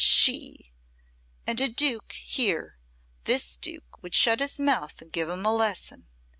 She! And a Duke here this Duke would shut his mouth and give him a lesson.